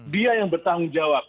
dia yang bertanggung jawab